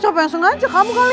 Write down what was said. siapa yang sengaja kamu kali